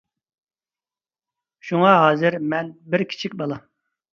شۇڭا ھازىر مەن بىر كىچىك بالا.